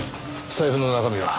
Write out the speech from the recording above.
財布の中身は？